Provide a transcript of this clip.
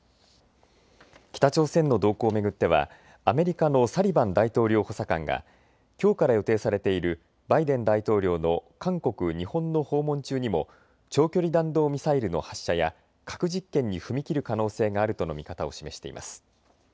北朝鮮の動向を巡ってはアメリカのサリバン大統領補佐官が、きょうから予定されているバイデン大統領の韓国、日本の訪問中にも長距離弾道ミサイルの発射や核実験に踏み切る可能性があるとの見方を示しています。